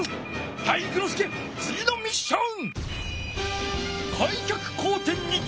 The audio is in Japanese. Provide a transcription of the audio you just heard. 体育ノ介つぎのミッション！